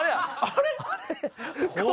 あれ？